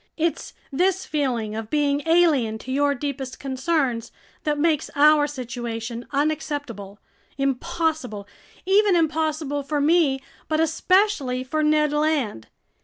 It's this feeling of being alien to your deepest concerns that makes our situation unacceptable, impossible, even impossible for me but especially for Ned Land.